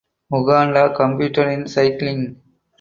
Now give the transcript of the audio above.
Uganda competed in cycling.